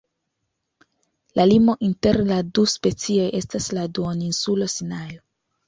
La limo inter la du specioj estas la duoninsulo Sinajo.